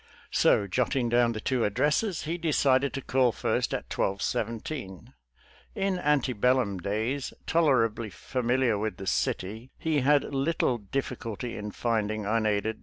Sbj. jotting ddwn the two addresses, he decided to call' first at 1217. In ante bellum idays toler ably familiar with the city, he ■ had little difS culty in '/finding, unaidedj!